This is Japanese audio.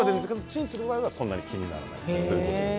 チンすればそんなに気にならないということです。